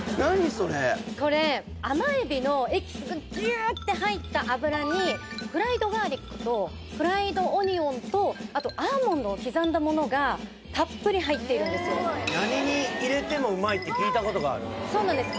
それこれ甘えびのエキスがギューって入った油にフライドガーリックとフライドオニオンとあとアーモンドを刻んだものがたっぷり入っているんですよって聞いたことがあるそうなんです